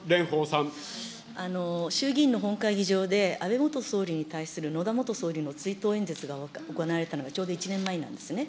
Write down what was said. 衆議院の本会議場で、安倍元総理に対する野田元総理の追悼演説が行われたのがちょうど１年前なんですね。